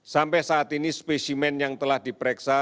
sampai saat ini spesimen yang telah diperiksa